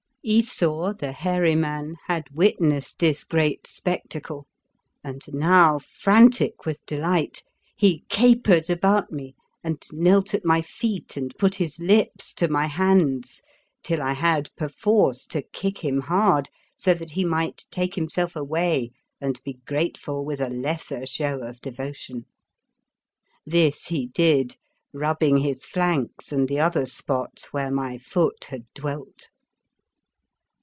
Esau, the hairy man, had witnessed this great spectacle, and now frantic with delight he capered about me and knelt at my feet and put his lips to my hands till I had perforce to kick him hard so that he might take himself away and be grateful with a lesser show of devotion. This he did, rub "3 The Fearsome Island bing his flanks and the other spots where my foot had dwelt.